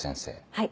はい。